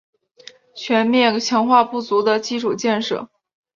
全面强化不足的基础建设